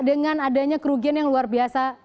dengan adanya kerugian yang luar biasa